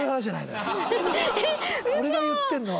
俺が言ってるのは。